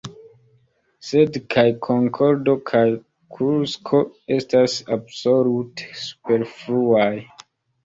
Sed kaj Konkordo kaj Kursko estas absolute superfluaj.